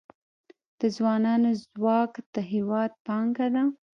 د ځوانانو ځواک د هیواد پانګه ده